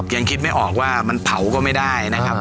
ยังคิดไม่ออกว่ามันเผาก็ไม่ได้นะครับ